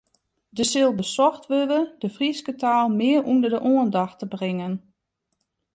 Der sil besocht wurde de Fryske taal mear ûnder de oandacht te bringen.